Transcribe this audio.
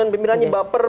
kalau pimpinannya baper